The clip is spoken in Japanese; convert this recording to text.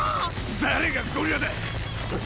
誰がゴリラだ！